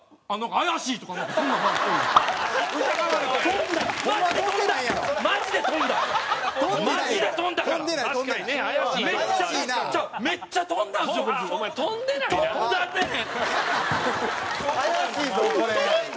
怪しいぞこれ。